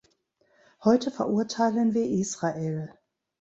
Heute verurteilen wir Israel.